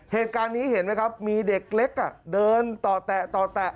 เหตุการณ์นี้เห็นไหมครับมีเด็กเล็กเดินต่อแตะต่อแตะ